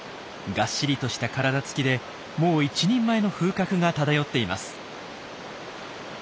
がっしりとした体つきでもう一人前の風格が漂っています。